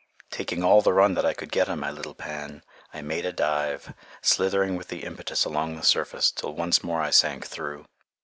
Taking all the run that I could get on my little pan, I made a dive, slithering with the impetus along the surface till once more I sank through.